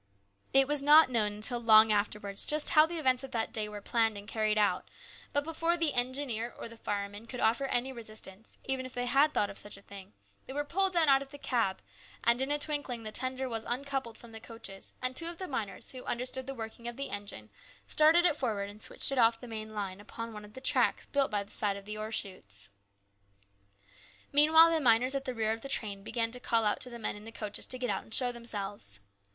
It was not known until long afterwards just how the events of that day were planned and carried out, but before the engineer or fireman could offer any resistance, even if they had thought of such a thing, they were pulled down out of the cab, and in a twinkling the tender was uncoupled from the coaches and two of the miners who understood the working of the engine started it forward and switched it off the main line upon one of the tracks built by the side of the ore chutes. Meanwhile the miners at the rear of the train began to call out to the men in the coaches to get out and show themselves.